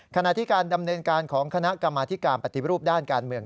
ขณะที่การดำเนินการของคณะกรรมธิการปฏิรูปด้านการเมือง